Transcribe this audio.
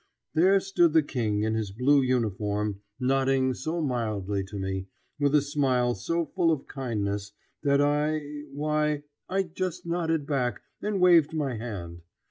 There stood the King in his blue uniform, nodding so mildly to me, with a smile so full of kindness, that I why, I just nodded back and waved my hand.